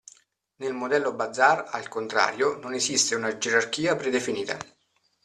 Nel modello bazar, al contrario, non esiste una gerarchia predefinita.